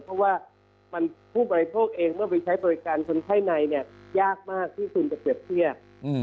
เพราะว่าผู้บริโภคเองเมื่อไปใช้บริการคนไข้ในเนี่ยยากมากที่คุณจะเปรียบเทียบ